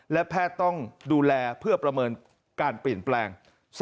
และแพทย์ต้องดูแลเพื่อประเมินการเปลี่ยนแปลง